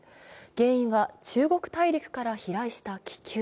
原因は中国大陸から飛来した気球。